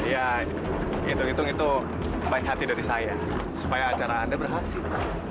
ya hitung hitung itu baik hati dari saya supaya acara anda berhasil